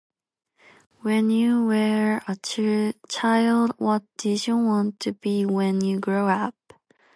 When your were a chi- a child, what did you want to be when you grow up?